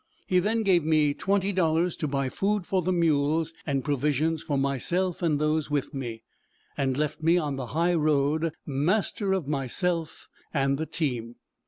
He then gave me twenty dollars to buy food for the mules and provisions for myself and those with me, and left me on the high road master of myself and the team.